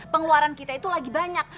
pengeluaran kita itu lagi banyak